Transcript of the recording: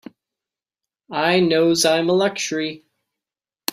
I knows I'm a luxury.